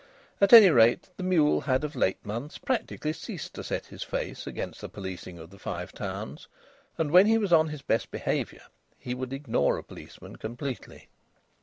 At any rate, the mule had of late months practically ceased to set his face against the policing of the Five Towns. And when he was on his best behaviour he would ignore a policeman completely.